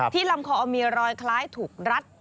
ลำคอมีรอยคล้ายถูกรัด